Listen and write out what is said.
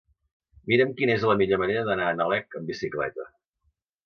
Mira'm quina és la millor manera d'anar a Nalec amb bicicleta.